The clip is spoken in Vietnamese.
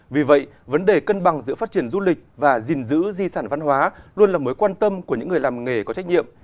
vì vậy vấn đề cân bằng giữa phát triển du lịch và gìn giữ di sản văn hóa luôn là mối quan tâm của những người làm nghề có trách nhiệm